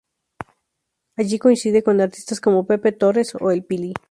Allí coincide con artistas como Pepe Torres o "El Pili".